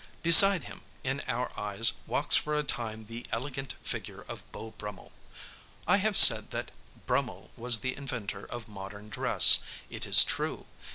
Beside him, in our eyes, walks for a time the elegant figure of Beau Brummell. I have said that Brummell was the inventor of modern dress: it is true.